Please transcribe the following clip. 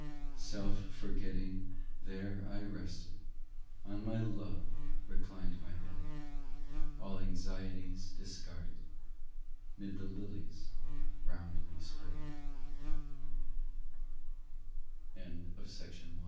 Self forgetting, there I rested On my love reclined my head, All anxieties discarded Mid the lilies round me spr